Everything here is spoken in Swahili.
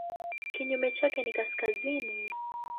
Kinyume chake ni kaskazini.